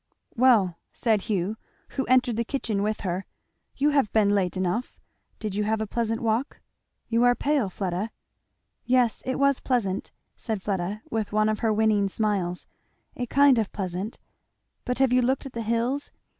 "Well," said Hugh, who entered the kitchen with her, "you have been late enough. Did you have a pleasant walk? You are pale, Fleda!" "Yes, it was pleasant," said Fleda with one of her winning smiles, "a kind of pleasant. But have you looked at the hills?